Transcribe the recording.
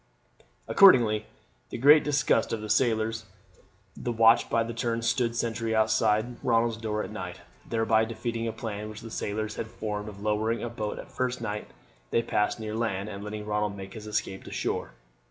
Accordingly, to the great disgust of the sailors the watch by turns stood sentry outside Ronald's door at night, thereby defeating a plan which the sailors had formed of lowering a boat the first night they passed near land, and letting Ronald make his escape to shore.